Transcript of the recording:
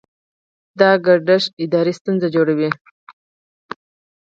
دا ګډښت اداري ستونزې جوړوي.